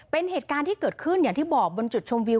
เป็นเหตุการณ์ที่เกิดขึ้นอย่างที่บอกบนจุดชมวิว